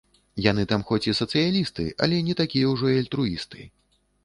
Яны там хоць і сацыялісты, але не такія ўжо і альтруісты.